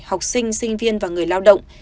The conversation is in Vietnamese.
học sinh sinh viên và người lao động